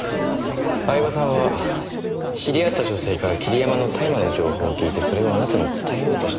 饗庭さんは知り合った女性から桐山の大麻の情報を聞いてそれをあなたに伝えようとした。